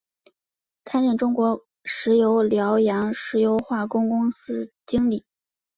担任中国石油辽阳石油化工公司经理。